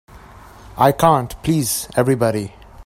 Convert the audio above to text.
I can't please everybody.